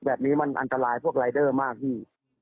แบบนี้มันอันตรายพวกรายเดอร์มากพี่